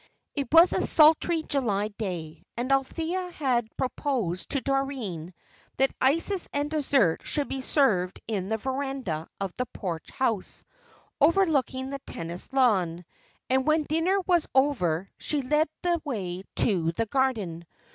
It was a sultry July day, and Althea had proposed to Doreen that ices and dessert should be served in the verandah of the Porch House, overlooking the tennis lawn; and when dinner was over she led the way to the garden.